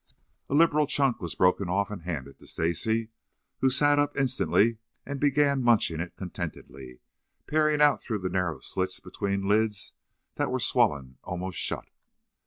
A liberal chunk was broken off and handed to Stacy, who sat up instantly and began munching it contentedly, peering out through the narrow slits between lids that were swollen almost shut.